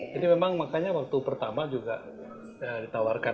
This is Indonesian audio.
jadi memang makanya waktu pertama juga ditawarkan